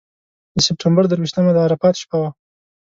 د سپټمبر درویشتمه د عرفات شپه وه.